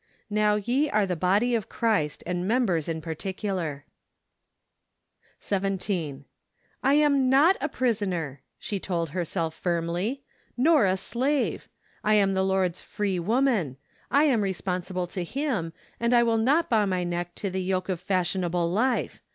" Now ye are the tody of Christ , and members in particular ." 17. " I am not a prisoner," she told her¬ self firmly, " nor a slave. I am the Lord's free woman. I am responsible to Him; and I will not bow my neck to the yoke of fashionable life.